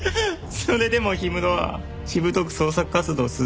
それでも氷室はしぶとく創作活動を続けた。